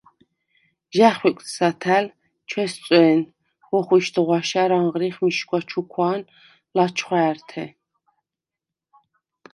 ჟ’ა̈ხვიკდ სათა̈ლ, ჩვესწო̄̈ნ, ვოხვიშდ ღვაშა̈რ ანღრიხ მიშგვა ჩუქვა̄ნ ლაჩხვა̄̈რთე.